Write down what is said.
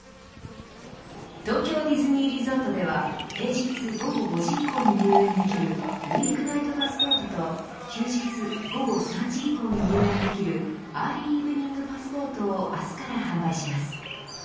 東京ディズニーリゾートでは平日午後５時以降に入園できるウィークナイトパスポートと休日午後３時以降に入園できるアーリーイブニングパスポートを明日から販売します。